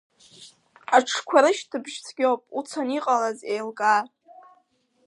Аҽқәа рышьҭыбжь цәгьоуп, уцаны иҟалаз еилкаа.